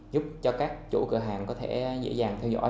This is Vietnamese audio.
giúp cho các chủ cửa hàng có thể dễ dàng theo dõi